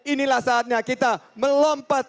inilah saatnya kita melompat